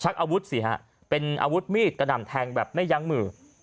ชักอวุธเสียเป็นอวุฒิโม่นมีดกระด่ำแทงแบบไม่ยั้งมือ